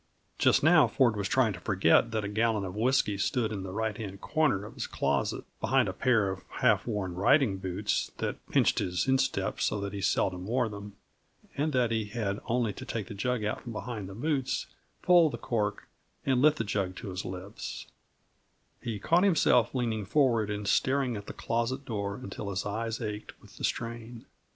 Just now Ford was trying to forget that a gallon of whisky stood in the right hand corner of his closet, behind a pair of half worn riding boots that pinched his instep so that he seldom wore them, and that he had only to take the jug out from behind the boots, pull the cork, and lift the jug to his lips He caught himself leaning forward and staring at the closet door until his eyes ached with the strain.